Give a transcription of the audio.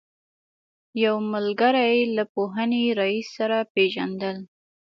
یو ملګري له پوهنې رئیس سره پېژندل.